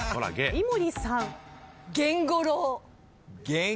井森さん。